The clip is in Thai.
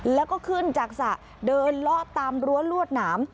แล้วก็ขึ้นจากสระเดินเลาะตามรั้วลวดหนาม